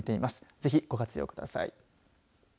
ぜひご活用ください。